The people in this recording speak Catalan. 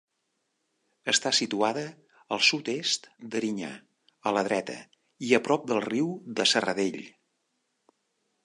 Està situada al sud-est d'Erinyà, a la dreta i a prop del riu de Serradell.